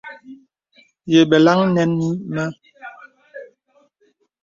Yə bɔlaŋ a nɛŋ mə.